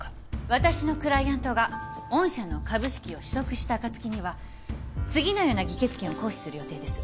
私のクライアントが御社の株式を取得した暁には次のような議決権を行使する予定です。